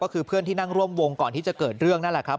ก็คือเพื่อนที่นั่งร่วมวงก่อนที่จะเกิดเรื่องนั่นแหละครับ